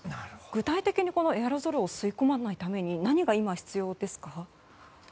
具体的にエアロゾルを吸い込まないために何が今必要ですか？